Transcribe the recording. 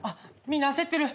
みんな焦ってる。